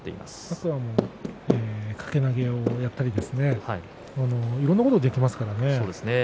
天空海も掛け投げをやったりいろいろなことができますからね。